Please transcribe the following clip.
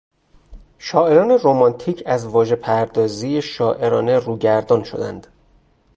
شاعران رومانتیک از واژپردازی شاعرانه روگردان شدند.